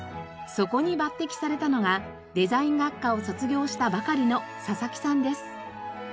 そこに抜擢されたのがデザイン学科を卒業したばかりの佐々木さんです。